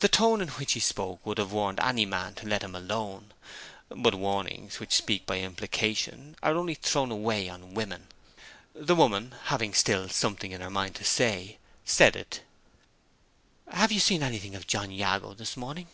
The tone in which he spoke would have warned any man to let him alone. But warnings which speak by implication only are thrown away on women. The woman, having still something in her mind to say, said it. "Have you seen anything of John Jago this morning?"